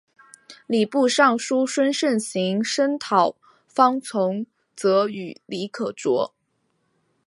礼部尚书孙慎行声讨方从哲与李可灼。